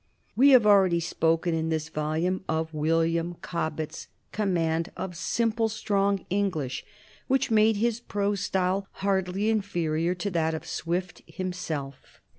We have already spoken in this volume of William Cobbett's command of simple, strong English, which made his prose style hardly inferior to that of Swift himself.